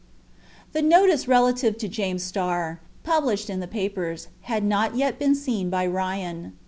The notice relative to James Starr, published in the papers, had not yet been seen by Ryan.